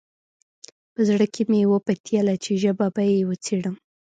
په زړه کې مې وپتېیله چې ژبه به یې وڅېړم.